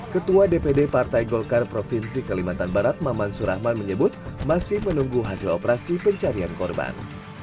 ketua dpd partai golkar provinsi kalimantan barat maman surahman menyebut masih menunggu hasil operasi pencarian korban